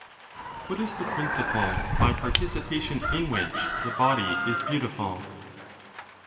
WHAT IS THE PRINCIPLE BY PARTICIPATION IN WHICH THE BODY IS BEAUTIFUL?